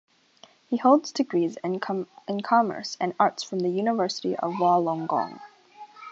He holds degrees in commerce and arts from the University of Wollongong.